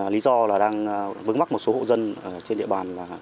lý do là đang vướng mắc một số hộ dân trên địa bàn